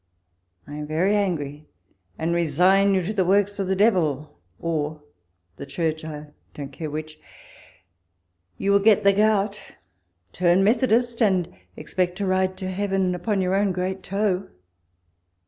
I am very angry, and resign you to the works of the 132 walpole's letters. devil or the church, I don't care which. You will get the gout, turn Methodist, and expect to ride to heaven upon your own great toe.